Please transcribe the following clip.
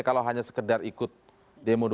kalau hanya sekedar ikut demo dua ratus dua belas itu